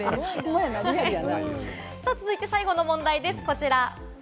続いて最後の問題ですこちら。